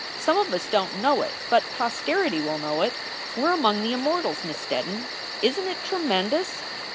Some of us don t know it. But posterity will know it. We re among the immortals, Miss Steddon. Isn t it tremendous?"